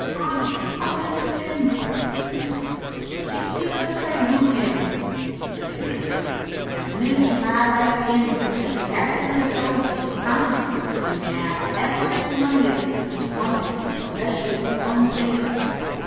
"Ay, how can you ken?" some demanded. " It's enough that I do ken," the Egyptian answered. " And this mair I ken, that the captain of the soldiers is confident he'll nab every one o' you that's wanted un less you do one thing."